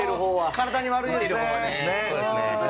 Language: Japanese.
体に悪いですね。